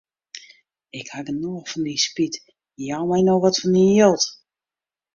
Ik haw genôch fan dyn spyt, jou my no wat fan dyn jild.